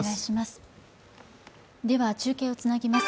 では中継をつなぎます。